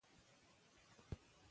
ولې لیکنه بې نظمې ده؟